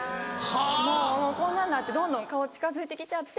もうこんなになってどんどん顔近づいてきちゃって。